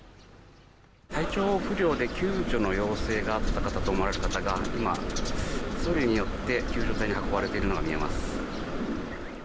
体調不良で救助の要請があった方と思われる方が今、そりによって救助隊に運ばれているのが見えます。